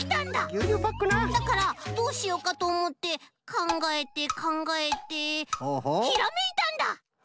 ぎゅうにゅうパックなだからどうしようかとおもってかんがえてかんがえてひらめいたんだ！